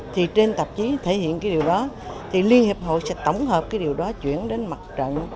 thì trên tạp chí thể hiện cái điều đó thì liên hiệp hội sẽ tổng hợp cái điều đó chuyển đến mặt trận